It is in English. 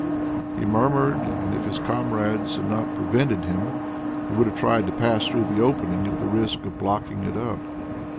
he murmured, and if his comrades had not prevented him, he would have tried to pass through the opening at the risk of blocking it up.